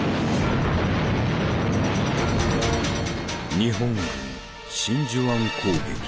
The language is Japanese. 日本軍真珠湾攻撃。